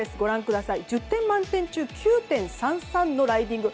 １０点満点中９．３３のライディング。